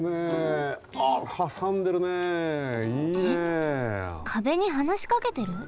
えっ壁にはなしかけてる？